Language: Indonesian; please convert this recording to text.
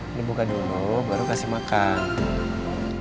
ini buka dulu baru kasih makan